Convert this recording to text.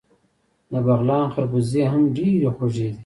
د بغلان خربوزې هم ډیرې خوږې دي.